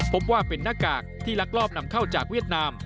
พบว่าเป็นหน้ากากที่ลักลอบนำเข้าจากเวียดนาม